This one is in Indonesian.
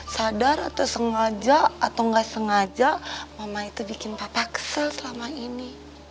sadar atau sengaja atau nggak sengaja mama itu bikin papa kesel selama ini